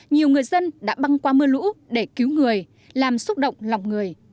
nhiều người dân đã băng qua mưa lũ để cứu người làm xúc động lòng người